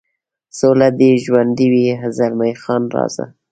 سوله دې ژوندی وي، زلمی خان: راځه.